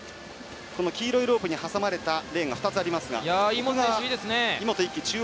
黄色いロープに挟まれたレーンが２つあります。